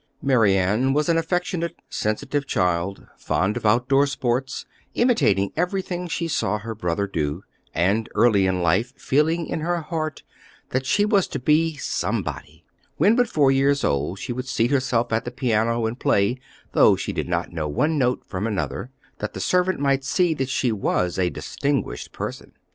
Mary Ann was an affectionate, sensitive child, fond of out door sports, imitating everything she saw her brother do, and early in life feeling in her heart that she was to be "somebody." When but four years old, she would seat herself at the piano and play, though she did not know one note from another, that the servant might see that she was a distinguished person!